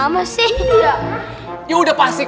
putih apaan sih